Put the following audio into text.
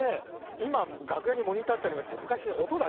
今楽屋にモニターってありますけど。